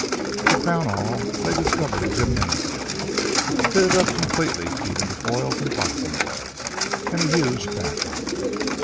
To crown all they discovered a gymnasium fitted up completely even to foils and boxing gloves: and a huge bathroom.